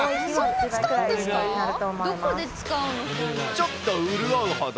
ちょっと潤うほど。